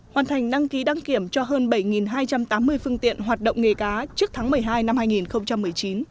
hoàn thành đăng ký đăng kiểm cho hơn bảy hai trăm tám mươi phương tiện hoạt động nghề cá trước tháng một mươi hai năm hai nghìn một mươi chín